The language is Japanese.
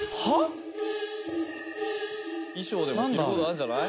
衣装でも着る事あるんじゃない？